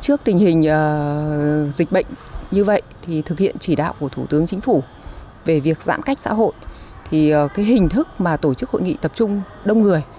trước tình hình dịch bệnh như vậy thì thực hiện chỉ đạo của thủ tướng chính phủ về việc giãn cách xã hội thì cái hình thức mà tổ chức hội nghị tập trung đông người